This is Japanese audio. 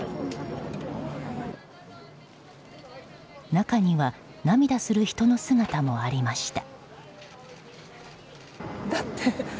中には涙する人の姿もありました。